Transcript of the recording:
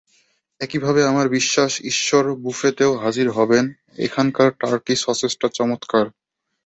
একইভাবে আমার বিশ্বাস ঈশ্বর বুফেতেও হাজির হবেন, এখানকার টার্কি সসেজটা চমৎকার।